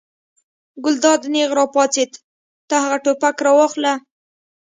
ګلداد نېغ را پاڅېد: ته هغه ټوپک راواخله.